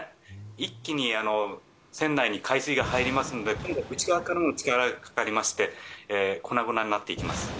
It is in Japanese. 一気に船内に海水が入りますので内側からの力がかかりまして粉々になります。